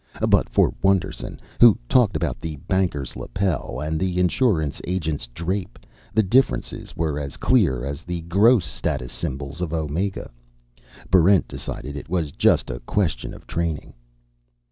But for Wonderson, who talked about the banker's lapel and the insurance agent's drape, the differences were as clear as the gross status symbols of Omega. Barrent decided it was just a question of training.